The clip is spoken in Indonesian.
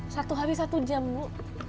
satu hari satu jam bu